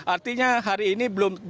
artinya hari ini belum